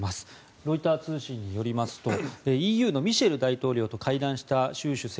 ロイター通信によりますとＥＵのミシェル大統領と会談した習主席。